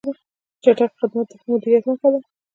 چټک خدمت د ښه مدیریت نښه ده.